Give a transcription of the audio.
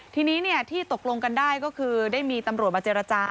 ทีนี้ที่ตกลงกันได้ก็คือได้มีตำรวจมาเจรจา